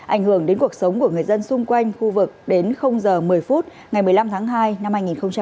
ảnh hưởng đến cuộc sống của người dân xung quanh khu vực đến giờ một mươi phút ngày một mươi năm tháng hai năm hai nghìn hai mươi